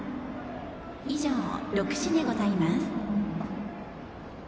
以上、６氏でございます。